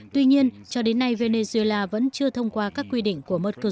tuy nhiên cho đến nay venezuela vẫn chưa thông qua các quy định của mercosur